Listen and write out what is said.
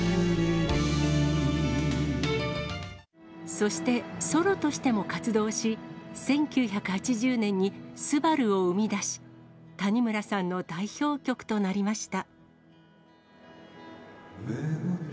そして、ソロとしても活動し、１９８０年に昴を生み出し、谷村さんの代表曲となりました。